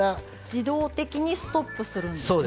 自動的にストップするんですね。